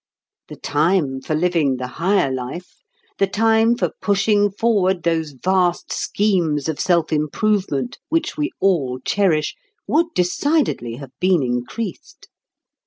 The time for living the higher life, the time for pushing forward those vast schemes of self improvement which we all cherish, would decidedly have been increased.